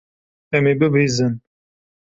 Em ê bibihîzin.